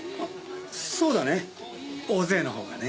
そうだね大勢のほうがね。